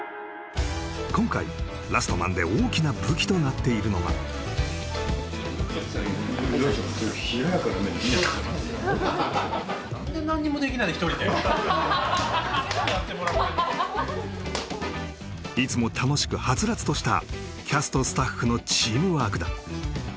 今回「ラストマン」で大きな武器となっているのがいつも楽しくはつらつとしたキャストスタッフのチームワークだ